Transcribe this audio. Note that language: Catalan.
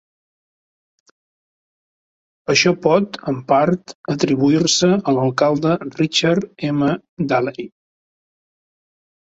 Això pot, en part, atribuir-se a l'alcalde Richard M. Daley.